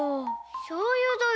しょうゆだよ。